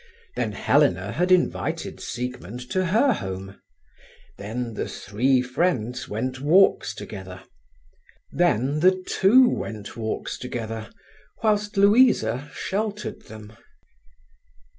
Then Helena had invited Siegmund to her home; then the three friends went walks together; then the two went walks together, whilst Louisa sheltered them.